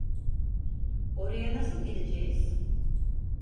Oraya nasıl gideceğiz?